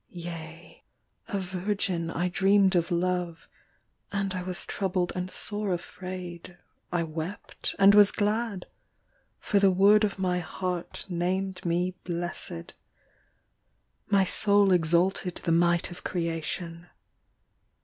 Yea, a virgin I dreamed of love, And I was troubled and sore afraid, I wept and was glad, For the word of my heart named me blessed, My soul exalted the might of creation.